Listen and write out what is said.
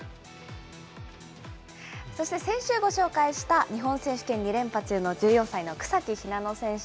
そして先週ご紹介した、日本選手権２連覇中の１４歳の草木ひなの選手。